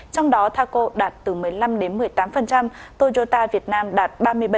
trong đó taco đạt từ một mươi năm một mươi tám toyota việt nam đạt ba mươi bảy